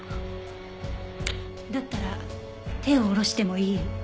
だったら手を下ろしてもいい？